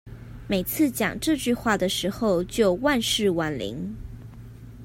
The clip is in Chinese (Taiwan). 每次講這句話的時候就萬試萬靈